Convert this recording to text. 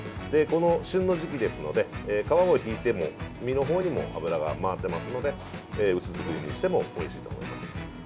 この旬の時期ですので皮を引いても身のほうにも脂が回っていますので薄作りにしてもおいしいと思います。